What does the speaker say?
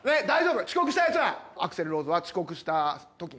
遅刻したやつはアクセル・ローズは遅刻したときにですね